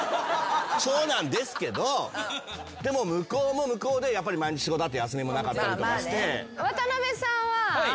そうなんですけどでも向こうも向こうでやっぱり毎日仕事あって休みもなかったりとかして。